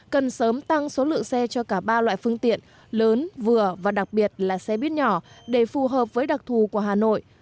cần sớm tăng số lượng xe cho cả ba loại phương tiện lớn vừa và đặc biệt là xe buýt nhỏ để phù hợp với đặc thù của hà nội